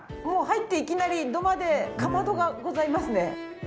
もう入っていきなり土間でかまどがございますね。